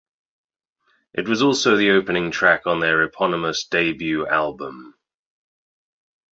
It was also the opening track on their eponymous debut album.